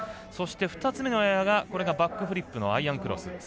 そして、２つ目のエアがバックフリップのアイアンクロス。